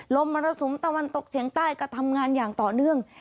มรสุมตะวันตกเฉียงใต้ก็ทำงานอย่างต่อเนื่อง